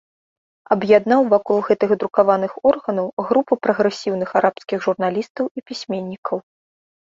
Аб'яднаў вакол гэтых друкаваных органаў групу прагрэсіўных арабскіх журналістаў і пісьменнікаў.